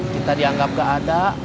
kita dianggap gak ada